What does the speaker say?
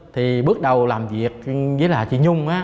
thì bước đầu làm việc với là chị nhung